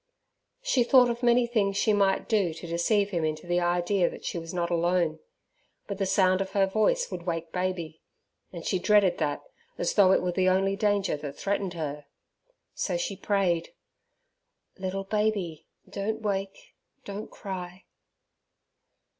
She thought of many things she might do to deceive him into the idea that she was not alone. But the sound of her voice would wake baby, and she dreaded that as though it were the only danger that threatened her. So she prayed, "Little baby, don't wake, don't cry!"